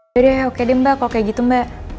yaudah oke deh mbak kok kayak gitu mbak